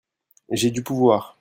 J'ai du pouvoir.